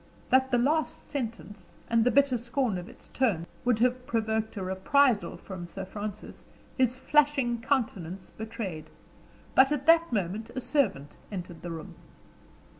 That the last sentence, and the bitter scorn of its tone, would have provoked a reprisal from Sir Francis, his flashing countenance betrayed. But at that moment a servant entered the room.